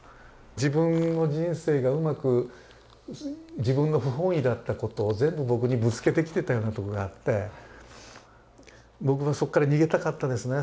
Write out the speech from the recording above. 自分の人生がうまく自分の不本意だったことを全部僕にぶつけてきてたようなとこがあって僕はそっから逃げたかったですね